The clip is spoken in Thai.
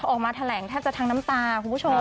ออกมาแถลงแทบจะทั้งน้ำตาคุณผู้ชม